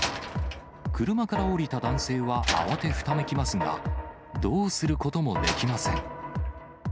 車から降りた男性は慌てふためきますが、どうすることもできません。